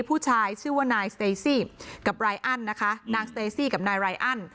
ผู้ชายชื่อว่านายสเตซี่กับรายอันนะคะนางสเตซี่กับนายไรอัน